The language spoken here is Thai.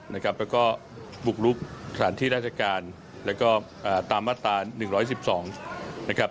และก็ปลุกรุบสถานที่ราชการและก็ตามมาตรา๑๑๒